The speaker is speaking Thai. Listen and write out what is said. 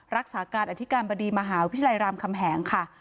รักษาการอธิการบดีมหาวิทยาลัยรามคำแหงค่ะ